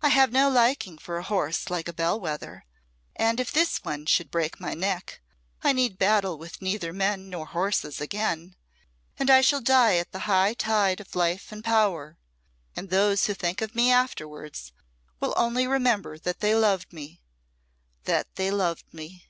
"I have no liking for a horse like a bell wether; and if this one should break my neck, I need battle with neither men nor horses again, and I shall die at the high tide of life and power; and those who think of me afterwards will only remember that they loved me that they loved me."